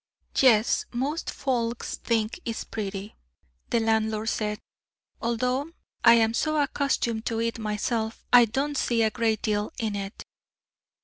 "Yes, most folks think it's pretty," the landlord said, "although I am so accustomed to it myself I don't see a great deal in it."